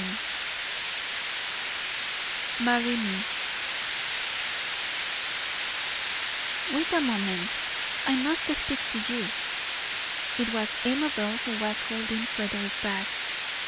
VII "MARRY ME" "Wait a moment, I must speak to you." It was Amabel who was holding Frederick back.